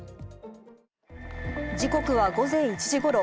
時刻は午前１時ごろ。